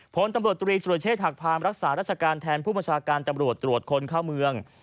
ผลตำรวจตรีสุรเชษฐหักพามรักษาราชการแทนผู้บัญชาการตำรวจตรวจคนเข้าเมือง